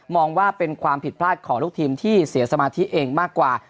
ว่าเป็นความผิดพลาดของลูกทีมที่เสียสมาธิเองมากกว่า